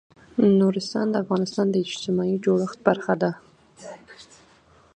نورستان د افغانستان د اجتماعي جوړښت برخه ده.